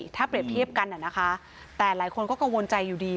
ถ้าเปรียบเทียบกันนะคะแต่หลายคนก็กังวลใจอยู่ดี